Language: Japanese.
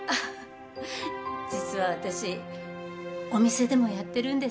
実は私お店でもやってるんです。